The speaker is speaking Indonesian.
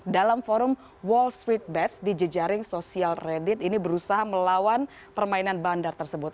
dalam forum wallstreetbets di jejaring sosial reddit ini berusaha melawan permainan bandar tersebut